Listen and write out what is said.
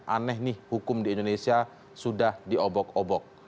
aneh nih hukum di indonesia sudah diobok obok